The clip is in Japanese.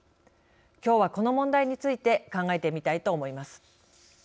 きょうは、この問題について考えてみたいと思います。